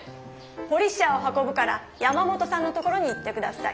ポリッシャーを運ぶから山本さんの所に行って下さい。